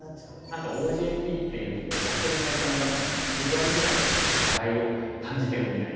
何かＯＪＴっていうのをやってる会社の中の９割ぐらいが課題を感じてるみたいな